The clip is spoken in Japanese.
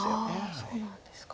そうなんですか。